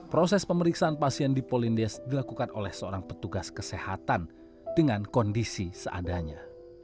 proses pemeriksaan pasien di polindes dilakukan oleh seorang petugas kesehatan dengan kondisi seadanya